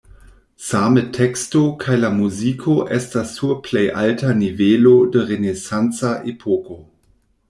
Same teksto kaj la muziko estas sur plej alta nivelo de renesanca epoko.